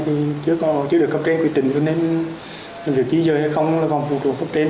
thì chưa được cập trình quy trình cho nên việc di dời hay không là còn phục vụ cập trình